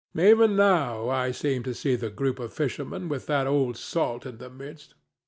Even now I seem to see the group of fishermen with that old salt in the midst.